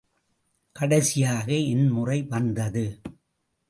கடைசியாக என் முறை வந்தது.